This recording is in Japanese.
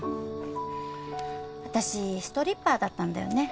私ストリッパーだったんだよね。